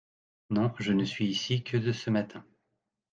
Non… je ne suis ici que de ce matin…